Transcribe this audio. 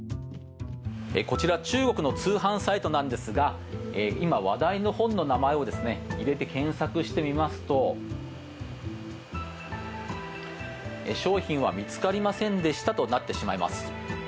こちら中国の通販サイトなんですが今、話題の本の名前を入れて検索してみますと商品は見つかりませんでしたとなってしまいます。